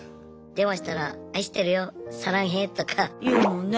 電話したら「愛してるよサランヘ」とか。言うもんね。